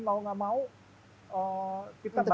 mau gak mau kita